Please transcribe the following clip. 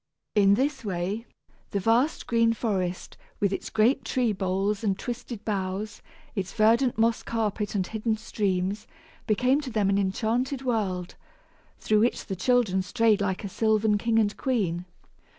In this way, the vast green forest, with its great tree boles and twisted boughs, its verdant moss carpet and hidden streams, became to them an enchanted world, through which the children strayed like a sylvan king and queen.